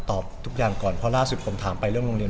ทุกอย่างก่อนเพราะล่าสุดผมถามไปเรื่องโรงเรียน